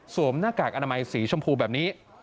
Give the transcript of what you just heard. หน้ากากอนามัยสีชมพูแบบนี้